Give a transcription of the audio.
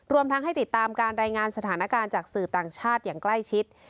รวมทั้งให้ติดตามการรายงานสถานการณ์จากสื่อต่างชาติอย่างใกล้ชิด